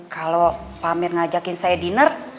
kalau pak amir ngajakin saya diner